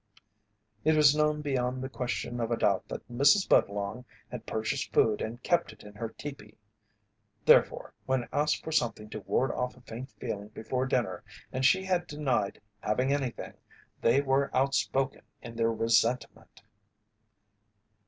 It was known beyond the question of a doubt that Mrs. Budlong had purchased food and kept it in her teepee. Therefore, when asked for something to ward off a faint feeling before dinner and she had denied having anything, they were outspoken in their resentment.